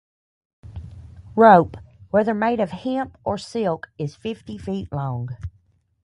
Rope, whether made of hemp or silk, is fifty feet long.